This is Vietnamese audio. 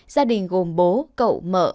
gia đình gồm bố cậu mợ